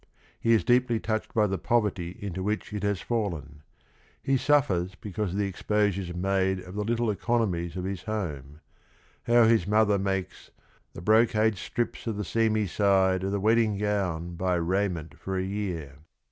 He is deeply touched by the poverty into which it has fallen. He suffers because of the exposures made of the little economies of his home, — how his mother makes "— the brocade strips o' the seamy side O' the wedding gown buy raiment for a year."